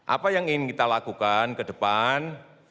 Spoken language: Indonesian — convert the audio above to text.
apa yang ingin kita lakukan ke depan